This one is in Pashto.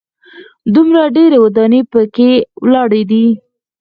دومره ډېرې ودانۍ په کې ولاړې دي.